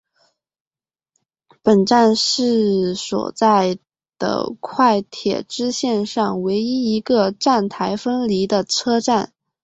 本站是所在的快铁支线上唯一一个站台分离的车站。